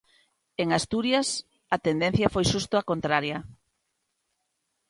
En Asturias, a tendencia foi xusto a contraria.